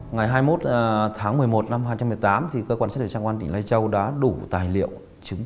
ngày hai mươi một tháng một mươi một năm hai nghìn một mươi tám cơ quan xét định trang quan tỉnh lây châu đã đủ tài liệu